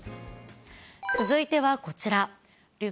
続いてはこちら。